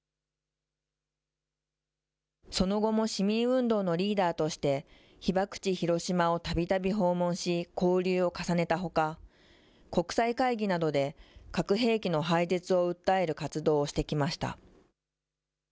その後も市民運動のリーダーとして、被爆地、広島をたびたび訪問し、交流を重ねたほか、国際会議などで、核兵器の廃絶を訴える活動をしてきました。